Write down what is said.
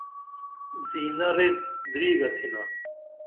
زینہ ریت دریگہ تھنا۔